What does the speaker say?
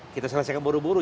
kita selesaikan buru buru